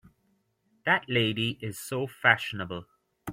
That lady is so fashionable!